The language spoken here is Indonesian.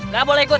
gak boleh ikut